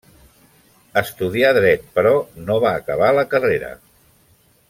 Estudià dret però no va acabar la carrera.